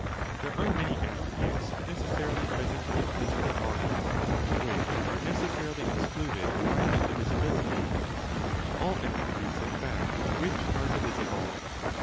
There are many attributes necessarily present in physical bodies which are necessarily excluded by indivisibility ; all attributes, in fact, which are divisible?